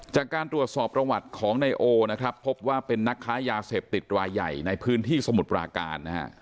จากการตรวจสอบประวัติของนายโอนะครับพบว่าเป็นนักค้ายาเสพติดรายใหญ่ในพื้นที่สมุทรปราการนะฮะ